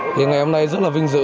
thì ngày hôm nay rất là vinh dự